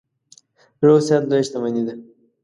روغ صحت لویه شتنمي ده.